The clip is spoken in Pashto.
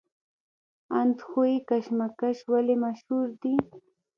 اندخوی کشمش ولې مشهور دي؟